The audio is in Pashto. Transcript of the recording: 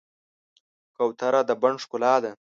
کوتره د بڼ ښکلا ده.